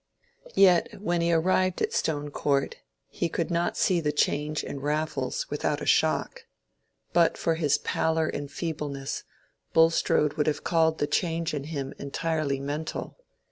Yet when he arrived at Stone Court he could not see the change in Raffles without a shock. But for his pallor and feebleness, Bulstrode would have called the change in him entirely mental.